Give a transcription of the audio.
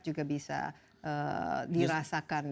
juga bisa dirasakan